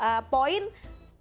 apakah ini bisa menjadi sebuah